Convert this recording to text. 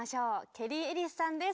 ケリー・エリスさんです。